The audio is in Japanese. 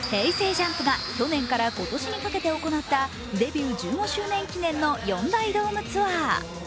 ＪＵＭＰが去年から今年にかけて行ったデビュー１５周年記念の４大ドームツアー。